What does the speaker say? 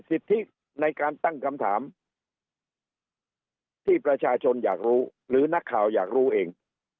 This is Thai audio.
สิทธิในการตั้งคำถามที่ประชาชนอยากรู้หรือนักข่าวอยากรู้เอง